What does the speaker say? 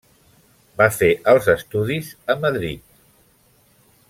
Va fer els estudis a Madrid.